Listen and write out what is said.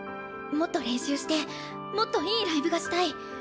もっと練習してもっといいライブがしたい。